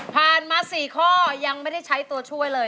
มา๔ข้อยังไม่ได้ใช้ตัวช่วยเลย